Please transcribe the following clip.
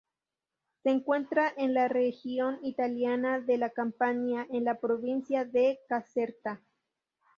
Se encuentra en la región italiana de la Campania, en la provincia de Caserta.